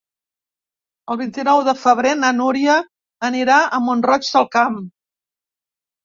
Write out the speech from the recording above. El vint-i-nou de febrer na Núria anirà a Mont-roig del Camp.